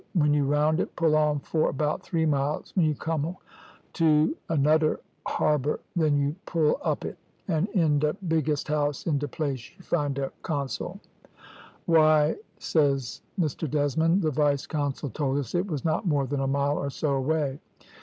`When you round it, pull on for about three miles, when you come to anoder harbour, then you pull up it, and in de biggest house in de place you find de consul.' "`Why,' says Mr Desmond, `the vice consul told us it was not more than a mile or so away.'